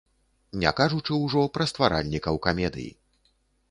Не кажучы ўжо пра стваральнікаў камедый.